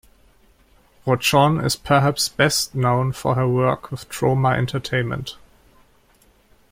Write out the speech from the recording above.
Rochon is perhaps best known for her work with Troma Entertainment.